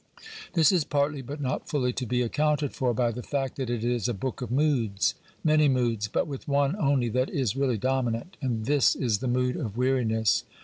This is partly, but not fully, to be accounted for by the fact that it is a book of moods — r.iany moods, but with one only that is really dominant, and this is the mood of weari ness.